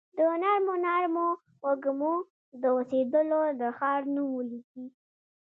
د نرمو نرمو وږمو، د اوسیدولو د ښار نوم ولیکي